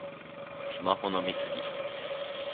スマホの見過ぎ